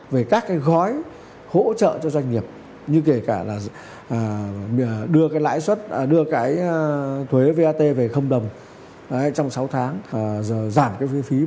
về các doanh nghiệp vận tải